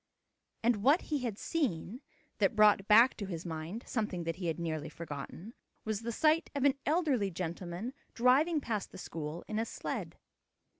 And what he had seen, that brought back to his mind something that he had nearly forgotten, was the sight of an elderly gentleman driving past the school in a sled.